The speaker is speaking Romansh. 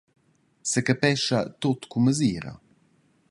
Secapescha tut cun mesira.